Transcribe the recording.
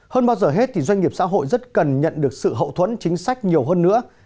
hơn bao giờ hết doanh nghiệp xã hội rất cần nhận được sự hậu thuẫn chính sách nhiều hơn nữa